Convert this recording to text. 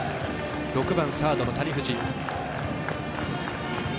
６番サードの谷藤。